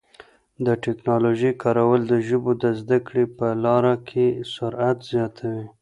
د ټکنالوژۍ کارول د ژبو د زده کړې په لاره کي سرعت زیاتوي.